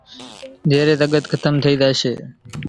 زيرين زڳت کتم ٿئي زاشي